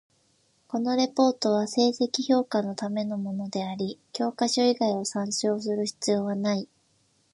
このレポートは成績評価のためのものであり、教科書以外を参照する必要なない。